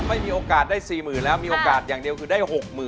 ไม่มีโอกาสได้๔๐๐๐แล้วมีโอกาสอย่างเดียวคือได้๖๐๐๐